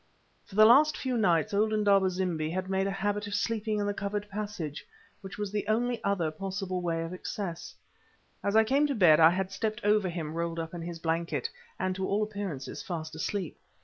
For the last few nights old Indaba zimbi had made a habit of sleeping in the covered passage, which was the only other possible way of access. As I came to bed I had stepped over him rolled up in his blanket, and to all appearances fast asleep.